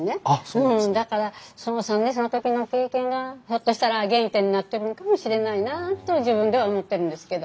うんだからその３年生の時の経験がひょっとしたら原点になってるんかもしれないなと自分では思ってるんですけど。